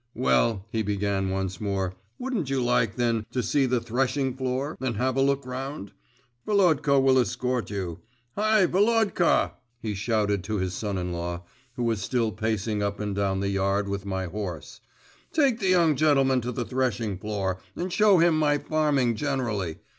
'Well,' he began once more, 'wouldn't you like, then, to see the threshing floor, and have a look round? Volodka will escort you. Hi, Volodka!' he shouted to his son in law, who was still pacing up and down the yard with my horse, 'take the young gentleman to the threshing floor … and show him my farming generally.